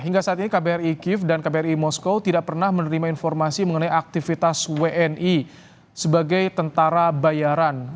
hingga saat ini kbri kiev dan kbri moskow tidak pernah menerima informasi mengenai aktivitas wni sebagai tentara bayaran